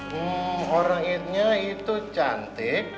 hmm orangnya itu cantik